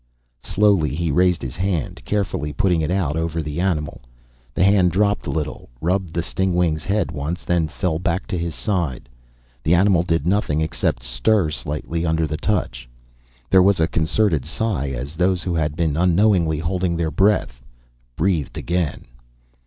Slowly he raised his hand. Carefully putting it out, over the animal. The hand dropped a little, rubbed the stingwing's head once, then fell back to his side. The animal did nothing except stir slightly under the touch. There was a concerted sigh, as those who had been unknowingly holding their breath breathed again.